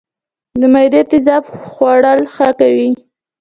د معدې تیزاب خواړه حل کوي